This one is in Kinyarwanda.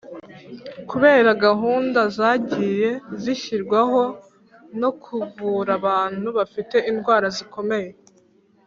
Kubera gahunda zagiye zishyirwaho zo kuvura abantu bafite indwara zikomeye